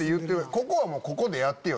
ここはここでやってよ！